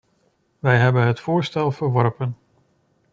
Wij hebben het voorstel verworpen.